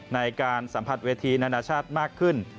ในการสัมผัสเวทีนานาชาติมากขึ้น